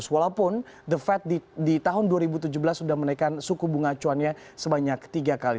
walaupun the fed di tahun dua ribu tujuh belas sudah menaikkan suku bunga acuannya sebanyak tiga kali